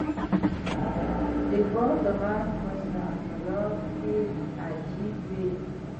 د باد ږغ په صحرا کې عجیب وي.